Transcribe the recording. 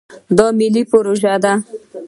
دا ملي پروژه ده.